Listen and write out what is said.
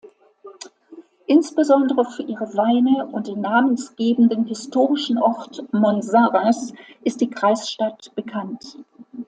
Insbesondere für ihre Weine und den namensgebenden historischen Ort Monsaraz ist die Kreisstadt bekannt.